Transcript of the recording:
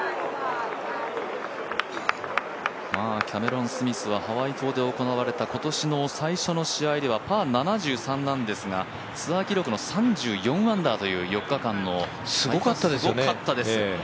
キャメロン・スミスはハワイ島で行われた今年の最初の試合ではパー７３なんですがツアー記録の３４アンダーという４日間のすごかったですね。